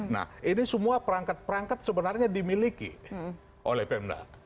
nah ini semua perangkat perangkat sebenarnya dimiliki oleh pemda